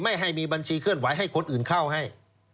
ไม่ให้มีบัญชีเคลื่อนไหวให้คนอื่นเข้าให้